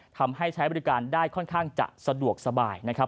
ใช้บริการได้ค่อนข้างจะสะดวกสบายนะครับ